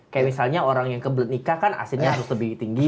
kayak misalnya orang yang kebelet nikah kan asinnya harus lebih tinggi